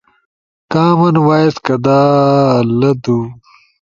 کامن وائس کدا لدو؟